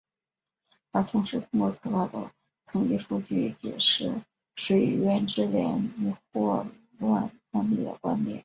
他同时通过可靠的统计数据解释水源质量与霍乱案例的关联。